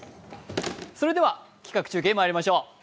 それでは企画中継、まいりましょう。